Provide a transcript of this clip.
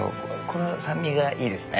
この酸味がいいですね。